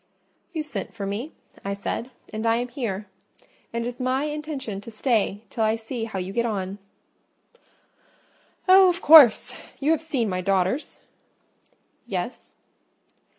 "You sent for me," I said, "and I am here; and it is my intention to stay till I see how you get on." "Oh, of course! You have seen my daughters?" "Yes."